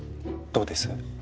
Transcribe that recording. どうです？